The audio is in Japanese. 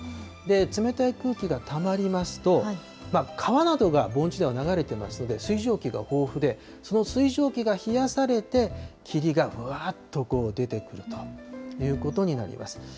冷たい空気がたまりますと、川などが盆地では流れてますので、水蒸気が豊富で、その水蒸気が冷やされて、霧がぶわーっと、こう、出てくるということになります。